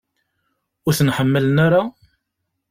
Ur ten-ḥemmlen ara?